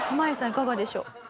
いかがでしょう？